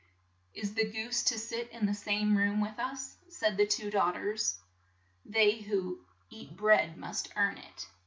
"Is the goose to sit in the same room with us ?'' said the two daugh ters. "They who eat bread must earn it.